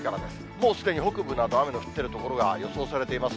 もうすでに北部など雨の降っている所が予想されています。